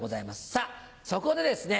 さぁそこでですね